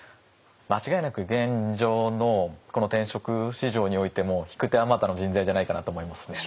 間違いなく現状のこの転職市場においても引く手あまたの人材じゃないかなと思いますね。